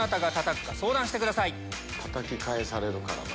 たたき返されるからな。